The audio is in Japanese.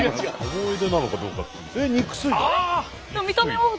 思い出なのかどうか。